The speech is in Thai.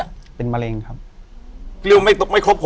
อยู่ที่แม่ศรีวิรัยยิลครับ